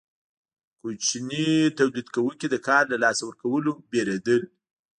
کوچني تولید کوونکي د کار له لاسه ورکولو ویریدل.